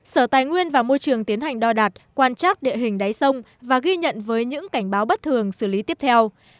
sở tài nguyên và môi trường tiến hành đo đạt quan trác địa hình đáy sông và ghi nhận với những cảnh báo bất thường xử lý tiếp theo